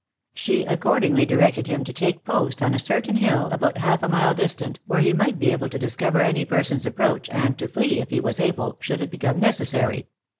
She accordingly directed him to take post on a certain hill about half a mile distant, where he might be able to discover any person's approach, and to flee, if he was able, should it become necessary.